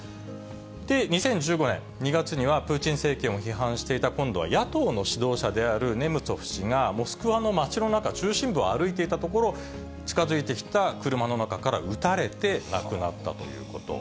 ２０１５年２月には、プーチン政権を批判していた、今度は野党の指導者であるネムツォフ氏が、モスクワの街の中、中心部を歩いていたところを、近づいてきた車の中から撃たれて亡くなったということ。